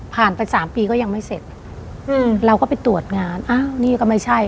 ไปสามปีก็ยังไม่เสร็จอืมเราก็ไปตรวจงานอ้าวนี่ก็ไม่ใช่